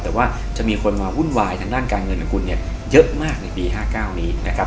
แต่ว่าจะมีคนมาวุ่นวายทางด้านการเงินของคุณเนี่ยเยอะมากในปี๕๙นี้นะครับ